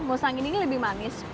nusanking ini lebih manis